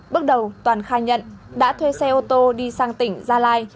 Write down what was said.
bước đầu toàn khai nhận đã thuê xe ô tô đi sang tỉnh gia lai